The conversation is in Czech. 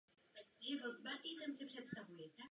V sázce je velmi mnoho.